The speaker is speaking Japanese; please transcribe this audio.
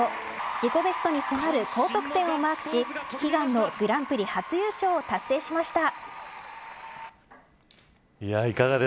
自己ベストに迫る高得点をマークし悲願のグランプリ初優勝を達成しました。